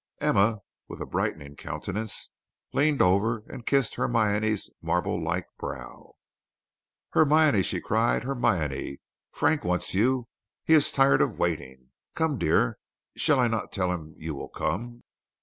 Emma, with a brightening countenance, leaned over and kissed Hermione's marble like brow. "Hermione," she cried, "Hermione! Frank wants you; he is tired of waiting. Come, dear; shall I not tell him you will come?"